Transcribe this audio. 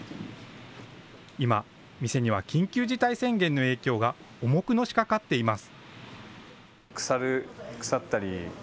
今、店には緊急事態宣言の影響が重くのしかかっています。